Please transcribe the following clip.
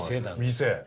店。